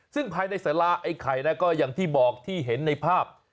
ซึ่งภายในสาราไอ้ไข่นะก็อย่างที่บอกที่เห็นในภาพ